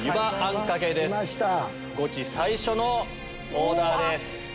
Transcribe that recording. ゴチ最初のオーダーです。